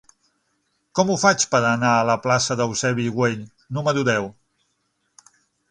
Com ho faig per anar a la plaça d'Eusebi Güell número deu?